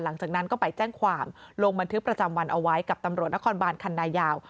หลังจากนั้นก็ไปแจ้งความลงบันทึกประจำวันเอาไว้กับตำรวจนครบานคันนายาว